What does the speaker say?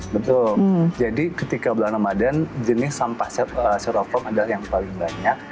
betul jadi ketika bulan ramadan jenis sampah steroform adalah yang paling banyak